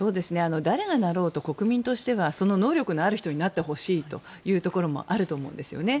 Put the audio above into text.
誰がなろうと国民としては、能力のある人になってほしいというところもあると思うんですよね。